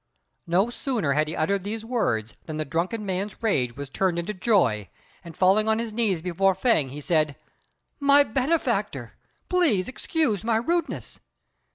No sooner had he uttered these words than the drunken man's rage was turned into joy, and, falling on his knees before Fêng, he said, "My benefactor! pray excuse my rudeness."